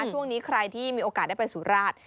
ช่วงนี้ใครที่มีโอกาสได้ไปสุราช